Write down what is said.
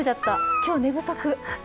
今日、寝不足。